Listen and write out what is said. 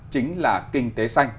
chính là kinh tế xanh